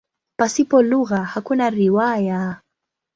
Pasipo lugha hakuna riwaya.